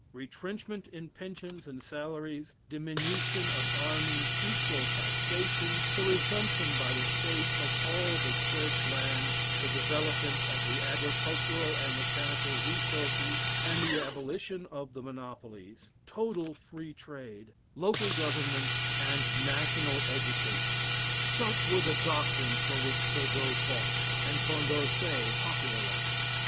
Retrenchment in pensions and salaries, diminution of armies, equal taxation, the resumption by the State of all the Church lands, the development of the agricultural and mechanical resources, the abolition of the monopolies, total free trade, local government, and national education; such were the doctrines for which Turgot fought, and Condorcet popularized.